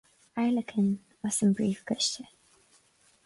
Airleacain as an bPríomh-Chiste.